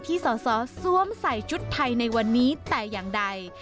สอสอสวมใส่ชุดไทยในวันนี้แต่อย่างใด